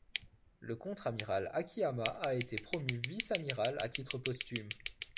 Le contre-amiral Akiyama a été promu vice-amiral à titre posthume.